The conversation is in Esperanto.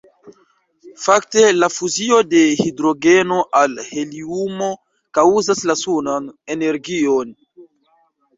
Fakte, la fuzio de hidrogeno al heliumo kaŭzas la sunan energion.